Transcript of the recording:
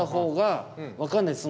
分かんないです。